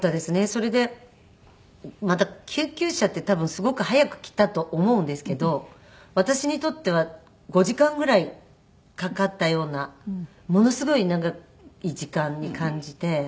それでまた救急車って多分すごく早く来たと思うんですけど私にとっては５時間ぐらいかかったようなものすごい長い時間に感じて。